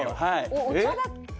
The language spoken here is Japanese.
お茶だっけ？